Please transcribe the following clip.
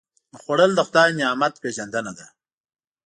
خوړل د خدای نعمت پېژندنه ده